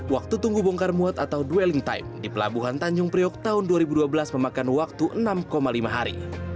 waktu tunggu bongkar muat atau dwelling time di pelabuhan tanjung priok tahun dua ribu dua belas memakan waktu enam lima hari